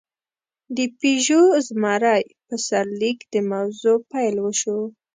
د «پيژو زمری» په سرلیک د موضوع پېل وشو.